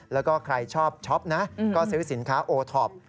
แล้วก็ใครชอบช็อปนะก็ซื้อสินค้าโอท็อป